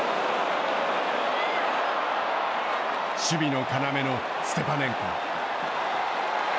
守備の要のステパネンコ。